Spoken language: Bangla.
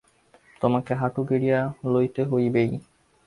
তোমাকে হাঁটু গাড়িয়া লইতে হইবেই।